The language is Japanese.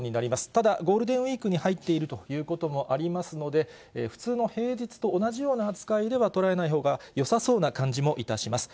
ただ、ゴールデンウィークに入っているということもありますので、普通の平日と同じような扱いでは捉えないほうがよさそうな感じも致します。